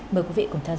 mời quý vị cùng theo dõi